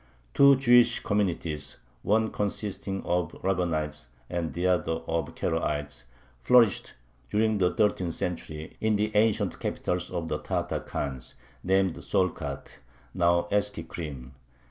Two Jewish communities, one consisting of Rabbanites and the other of Karaites, flourished, during the thirteenth century, in the ancient capital of the Tatar khans, named Solkhat (now Eski Krym).